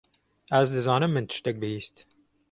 Ez dizanim min tiştek bihîst.